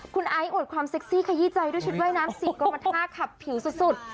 คุณไอซ์อวดความเซ็กซี่ขยี้ใจด้วยชุดว่ายน้ำสี่กรมท่าขับผิวสุด